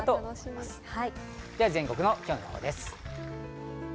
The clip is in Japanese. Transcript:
では全国の今日の予報です。